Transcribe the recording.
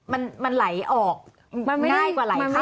แม่มันไหลออกง่ายกว่าไหลเข้าเยอะนะคะ